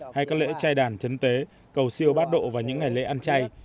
hay các lễ chai đàn chấn tế cầu siêu bát độ và những ngày lễ ăn chay